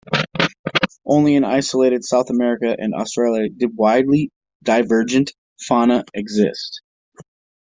Only in isolated South America and Australia did widely divergent fauna exist.